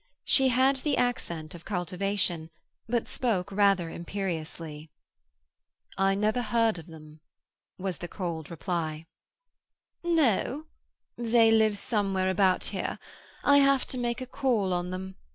She had the accent of cultivation, but spoke rather imperiously. "I never heard of them," was the cold reply. "No? They live somewhere about here. I have to make a call on them.